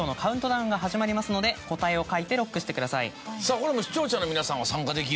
これも視聴者の皆さんは参加できる？